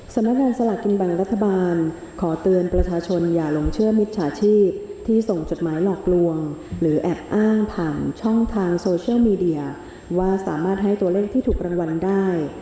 สำนักงานสลากกินแบ่งรัฐบาลขอเตือนประชาชนอย่าลงเชื่อมิจฉาชีพที่ส่งจดหมายหลอกลวงหรือแอบอ้างผ่านช่องทางโซเชียลมีเดียว่าสามารถให้ตัวเลขที่ถูกรางวัลได้